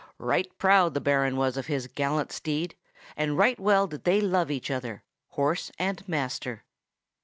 Right proud the Baron was of his gallant steed; and right well did they love each other, horse and master.